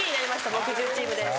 木１０チームです。